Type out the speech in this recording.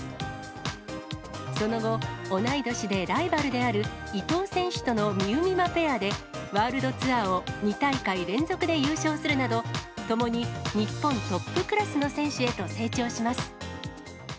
その後、同い年でライバルである伊藤選手とのみうみまペアでワールドツアーを２大会連続で優勝するなど、ともに日本トップクラスへの選手へと成長します。